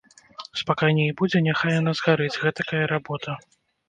Спакайней будзе, няхай яна згарыць, гэтакая работа.